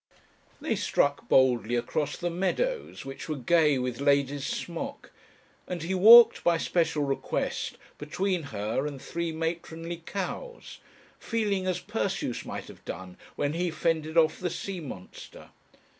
They struck boldly across the meadows, which were gay with lady's smock, and he walked, by special request, between her and three matronly cows feeling as Perseus might have done when he fended off the sea monster.